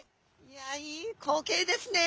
いやいい光景ですね！